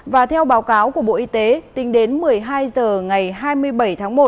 và theo báo cáo của bộ y tế tính đến một mươi hai h ngày hai mươi bảy tháng một